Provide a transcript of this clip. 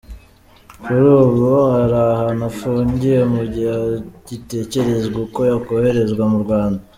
Kuri ubu ari ahantu afungiye mu gihe hagitekerezwa uko yakoherezwa mu Rwanda.